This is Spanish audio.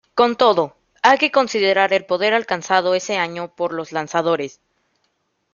Con todo, hay que considerar el poder alcanzado ese año por los lanzadores.